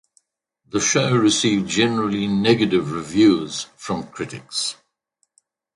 The show received generally negative reviews from critics.